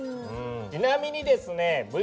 ちなみにですね